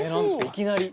いきなり。